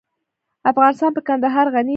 افغانستان په کندهار غني دی.